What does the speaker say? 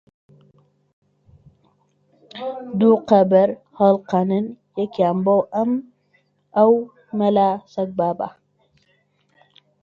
-دوو قەبر هەڵقەنن، یەکیان بۆ ئەو مەلا سەگبابە!